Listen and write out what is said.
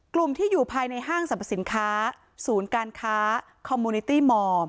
กลุ่มที่อยู่ภายในห้างสรรพสินค้าศูนย์การค้าคอมมูนิตี้มอร์